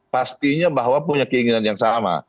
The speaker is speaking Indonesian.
pastinya bahwa punya keinginan yang sama